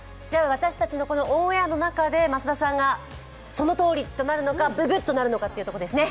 私たちのオンエアの中で増田さんが、そのとおりとなるのかブブッとなるのかということですね。